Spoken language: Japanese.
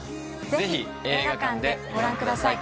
ぜひ映画館でご覧ください。